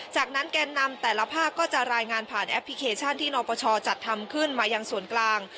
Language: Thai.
จากนั้นแกนนำแต่ละภาคก็จะรายงานผ่านแอปพลิเคชันที่นปชจัดทำขึ้นมายังส่วนกลาง